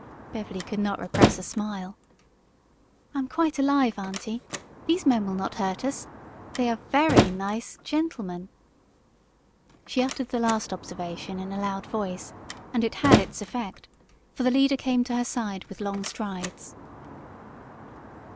Beverly could not repress a smile. "I am quite alive, Auntie. These men will not hurt us. They are very nice gentlemen." She uttered the last observation in a loud voice and it had its effect, for the leader came to her side with long strides.